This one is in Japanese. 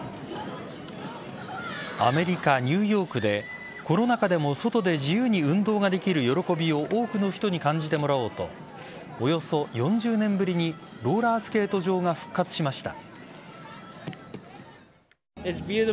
アメリカ・ニューヨークでコロナ禍でも外で自由に運動ができる喜びを多くの人に感じてもらおうとおよそ４０年ぶりにローラースケート場が復活しました。